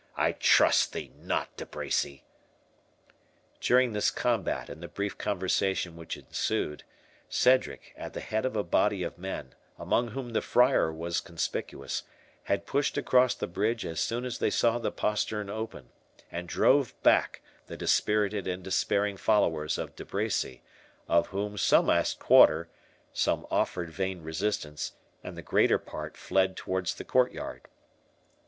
I trust thee not, De Bracy." During this combat and the brief conversation which ensued, Cedric, at the head of a body of men, among whom the Friar was conspicuous, had pushed across the bridge as soon as they saw the postern open, and drove back the dispirited and despairing followers of De Bracy, of whom some asked quarter, some offered vain resistance, and the greater part fled towards the court yard.